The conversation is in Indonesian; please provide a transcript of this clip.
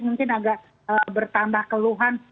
mungkin agak bertambah keluhan